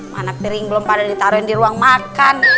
mana piring belum pada ditaro di ruang makan